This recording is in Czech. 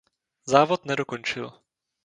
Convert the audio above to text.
Závod nedokončil.